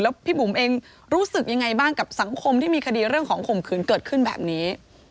พี่บุ๋มเองรู้สึกยังไงบ้างกับสังคมที่มีคดีเรื่องของข่มขืนเกิดขึ้นแบบนี้